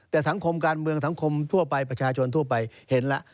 แต่สังคมการเมืองสังคมทั่วไปประชาชนทั่วไปเห็นแล้ว